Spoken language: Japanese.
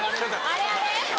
あれあれ？